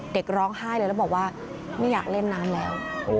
เด็กร้องไห้เลยแล้วบอกว่าไม่อยากเล่นน้ำแล้ว